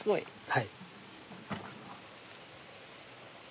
はい。